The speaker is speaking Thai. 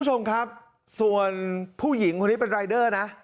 คุณผู้ชมครับส่วนผู้หญิงคนนี้เป็นรายเดอร์นะ